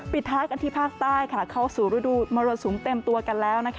ท้ายกันที่ภาคใต้เข้าสู่ฤดูมรสุมเต็มตัวกันแล้ว